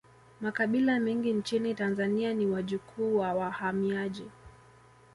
Makabila mengi nchini tanzania ni wajukuu wa wahamiaji